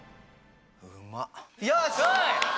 よし！